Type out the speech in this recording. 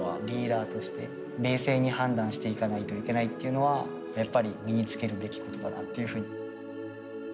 リーダーとして冷静に判断していかないといけないっていうのはやっぱり身につけるべきことだなっていうふうに。